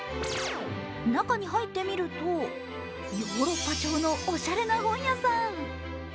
中に入ってみるとヨーロッパ調のおしゃれな本屋さん。